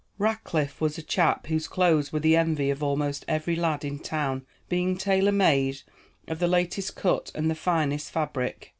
Rackliff was a chap whose clothes were the envy of almost every lad in town, being tailor made, of the latest cut and the finest fabric.